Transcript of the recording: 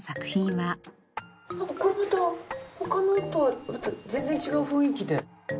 なんかこれまた他のとはまた全然違う雰囲気で。